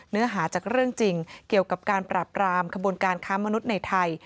เนื้อหาจากเรื่องจริงเกี่ยวกับการปราบรามขบวนการค้ามนุษย์ในไทย